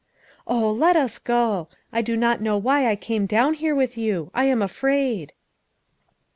Oh, let us go. I do not know why I came down here with you. I am afraid."